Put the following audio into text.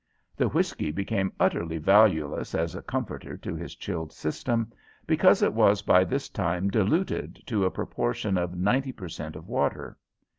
The whiskey became utterly valueless as a comforter to his chilled system, because it was by this time diluted to a proportion of ninety per cent of water.